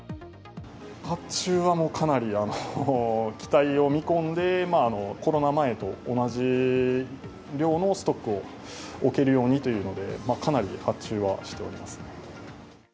発注はもうかなり期待を見込んでコロナ前と同じ量のストックを置けるようにというので、かなり発注はしております。